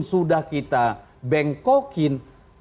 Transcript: sudah kita bengkokin